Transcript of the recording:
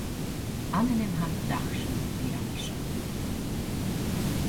Amenemhat dahsúri piramisa.